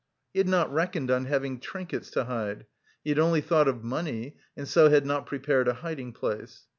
He had not reckoned on having trinkets to hide. He had only thought of money, and so had not prepared a hiding place.